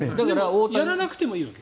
やらなくてもいいわけ？